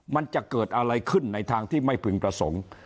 มันจะเกิดอะไรขึ้นในทางที่ไม่พึงประสงค์